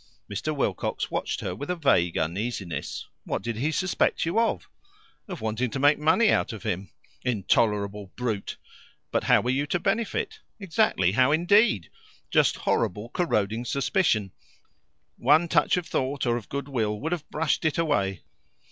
Mr. Wilcox watched her with a vague uneasiness. "What did he suspect you of?" "Of wanting to make money out of him." "Intolerable brute! But how were you to benefit?" "Exactly. How indeed! Just horrible, corroding suspicion. One touch of thought or of goodwill would have brushed it away.